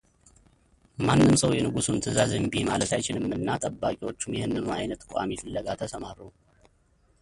ማንም ሰው የንጉሱን ትዕዛዝ እምቢ ማለት አይችልምና ጠባቂዎቹም ይህንኑ አይነት ቋሚ ፍለጋ ተሰማሩ፡፡